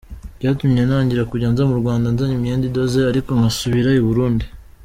Byatumye ntangira kujya nza mu Rwanda nzanye imyenda idoze, ariko ngasubira i Burundi.